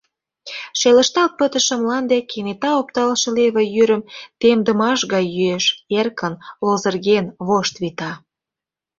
Шелышталт пытыше мланде кенета опталше леве йӱрым темдымаш гай йӱэш, эркын лозырген, вошт вита.